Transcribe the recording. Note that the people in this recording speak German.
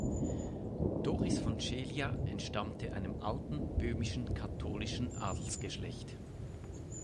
Doris von Scheliha entstammte einem alten böhmischen katholischen Adelsgeschlecht.